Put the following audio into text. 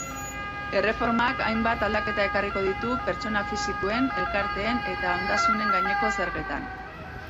Erreformak hainbat aldaketa ekarriko ditu pertsona fisikoen, elkarteen eta ondasunen gaineko zergetan.